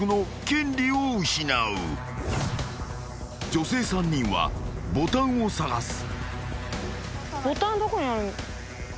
［女性３人はボタンを探す］